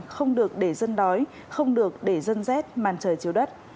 không được để dân đói không được để dân rét màn trời chiếu đất